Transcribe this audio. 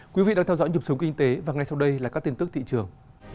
quý vị đang theo dõi nhịp sống kinh tế và ngay sau đây là các tin tức thị trường